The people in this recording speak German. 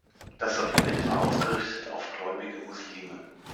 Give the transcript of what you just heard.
Das Sortiment war ausgerichtet auf gläubige Muslime.